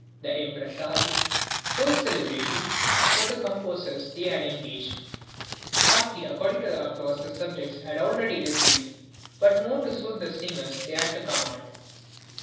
The impresarii chose the libretti for the composers they had engaged, partly according to the applause the subjects had already received, but more to suit the singers they had at command.